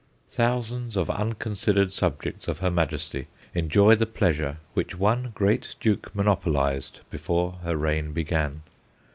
Thousands of unconsidered subjects of Her Majesty enjoy the pleasure which one great duke monopolized before her reign began.